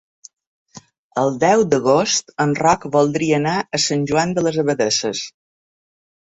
El deu d'agost en Roc voldria anar a Sant Joan de les Abadesses.